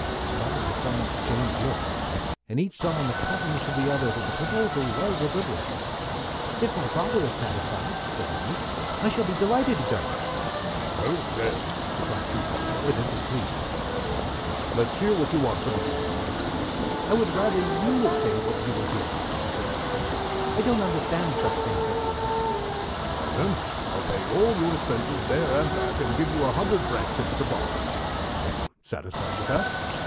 Father and son exchanged looks, and each saw in the countenance of the other that the proposal was a good one. "If my father is satisfied," said the youth, "I shall be delighted to go." "Well said," replied Frieshardt, evidently pleased. "Now let's hear what you want for the journey." "I would rather you would say what you will give," answered Walter. "I don't understand such things very well." "Well, then, I'll pay all your expenses there and back, and give you a hundred francs into the bargain. Are you satisfied with that?"